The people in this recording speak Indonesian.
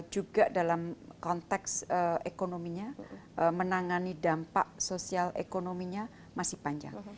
juga dalam konteks ekonominya menangani dampak sosial ekonominya masih panjang